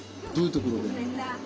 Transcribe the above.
どういうところが？